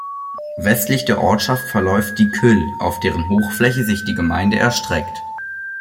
Westlich der Ortschaft verläuft die Kyll, auf deren Hochfläche sich die Gemeinde erstreckt.